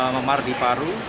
memar di paru